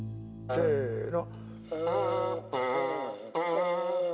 せの。